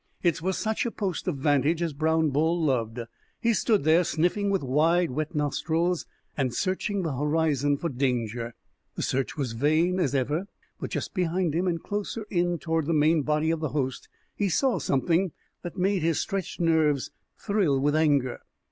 It was such a post of vantage as Brown Bull loved. He stood there sniffing with wide, wet nostrils, and searching the horizon for danger. The search was vain, as ever; but just behind him, and closer in toward the main body of the host, he saw something that made his stretched nerves thrill with anger.